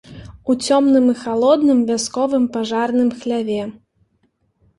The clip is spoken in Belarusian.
У цёмным і халодным вясковым пажарным хляве.